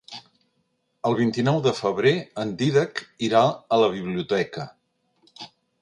El vint-i-nou de febrer en Dídac irà a la biblioteca.